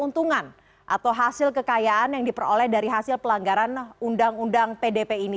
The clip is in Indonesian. keuntungan atau hasil kekayaan yang diperoleh dari hasil pelanggaran undang undang pdp ini